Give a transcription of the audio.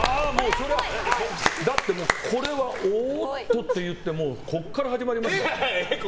だってこれはおーっとって言ってここから始まりますもん。